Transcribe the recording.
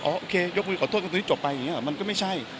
โอเคยกพลิกขอโทษกันตอนนี้จบไปอย่างเงี้ยมันก็ไม่ใช่